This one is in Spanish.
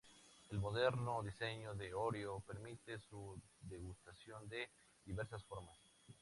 El moderno diseño de Oreo permite su degustación de diversas formas.